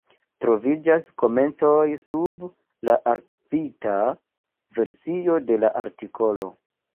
Troviĝas komentoj sub la arkivita versio de la artikolo.